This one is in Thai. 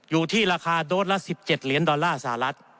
อยู่ที่ราคาโดสละ๑๗เหรียญดอลลาร์สหรัฐ